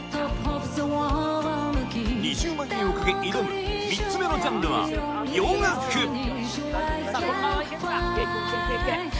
２０万円を懸け挑む３つ目のジャンルは洋楽いけいけいけ！